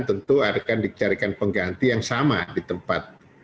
tentu akan dicarikan pengganti yang sama di tempat